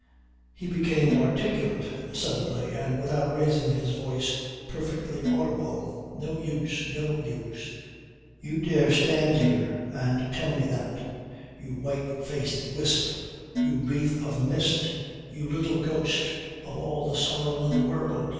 He became articulate suddenly, and, without raising his voice, perfectly audible. "No use! No use! You dare stand here and tell me that you white faced wisp, you wreath of mist, you little ghost of all the sorrow in the world.